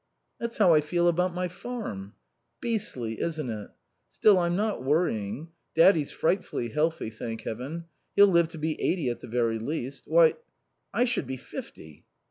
"That's how I feel about my farm." "Beastly, isn't it? Still, I'm not worrying. Daddy's frightfully healthy, thank Heaven. He'll live to be eighty at the very least. Why I should be fifty."